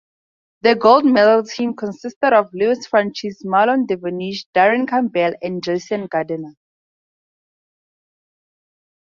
The gold medal team consisted of Lewis-Francis, Marlon Devonish, Darren Campbell and Jason Gardener.